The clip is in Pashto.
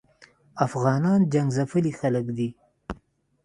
افغانان جنګ ځپلي خلګ دي